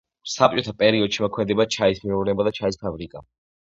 საბჭოთა პერიოდში მოქმედებდა ჩაის მეურნეობა და ჩაის ფაბრიკა.